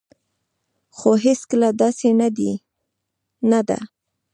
خو هيڅکله داسي نه ده